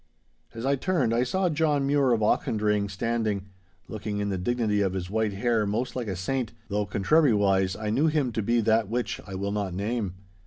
As I turned I saw John Mure of Auchendrayne standing, looking in the dignity of his white hair most like a saint, though contrariwise I knew him to be that which I will not name.